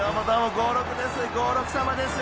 ５６です。